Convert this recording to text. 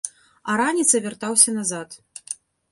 А раніцай вяртаўся назад.